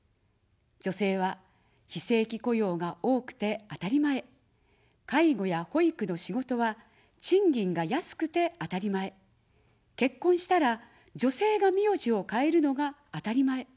女性は非正規雇用が多くてあたりまえ、介護や保育の仕事は賃金が安くてあたりまえ、結婚したら、女性が名字を変えるのがあたりまえ。